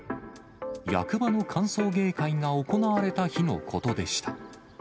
役場の歓送迎会が行われた日のことでした。